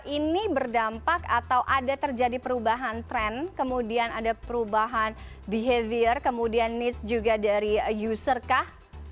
ini berdampak atau ada terjadi perubahan tren kemudian ada perubahan behavior kemudian needs juga dari user kah